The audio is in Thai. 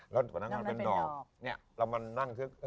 ลงไปเป็นหนอ